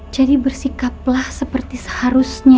jadi bersikaplah seperti seharusnya